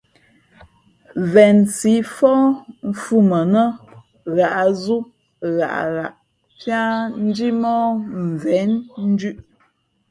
Vensǐ fóh mfhʉ̄ mα nά ghǎʼzú ghaʼghaʼ píá njímóh mvěn ndʉ̄ʼ.